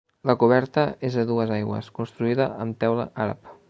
La coberta és a dues aigües, construïda amb teula àrab.